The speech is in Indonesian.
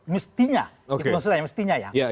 mestinya itu maksudnya mestinya ya